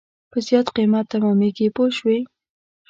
په زیات قیمت تمامېږي پوه شوې!.